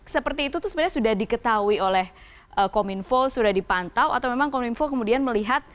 seperti itu sebenarnya sudah diketahui oleh kominfo sudah dipantau atau memang kominfo kemudian melihat